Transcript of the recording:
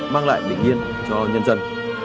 mang lại bình yên cho nhân dân